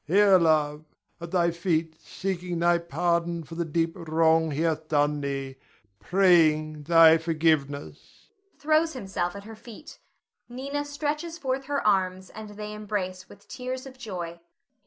] Here, love, at thy feet seeking thy pardon for the deep wrong he hath done thee, praying thy forgiveness! [Throws himself at her feet. Nina stretches forth her arms, and they embrace with tears of joy.] Nina.